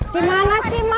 dimana sih mak